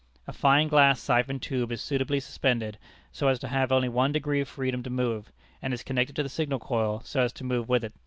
A fine glass siphon tube is suitably suspended, so as to have only one degree of freedom to move, and is connected to the signal coil so as to move with it.